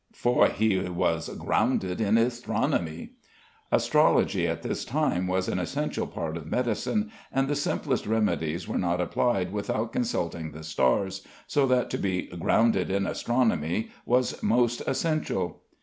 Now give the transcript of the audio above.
"For he was grounded in astronomye." Astrology at this time was an essential part of medicine, and the simplest remedies were not applied without consulting the stars, so that to be "grounded in astronomye" was most essential.